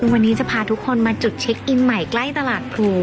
วันนี้จะพาทุกคนมาจุดเช็คอินใหม่ใกล้ตลาดครู